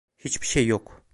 Hiçbir şey yok.